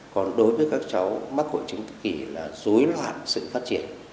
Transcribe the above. còn đối với các cháu mắc hội chứng tự kỳ là dối loạn sự phát triển